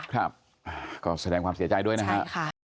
ครับก็แสดงความเสียใจด้วยนะฮะ